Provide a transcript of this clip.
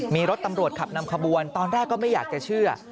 มีรถตำรวจขับนำขบวนตอนแรกก็ไม่อยากจะเชื่อ